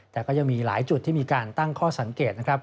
แต่ก็ยังมีหลายจุดที่มีการตั้งข้อสังเกตนะครับ